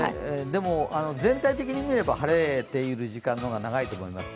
でも、全体的に見れば晴れている時間の方が長いと思います。